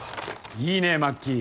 いいねマッキー！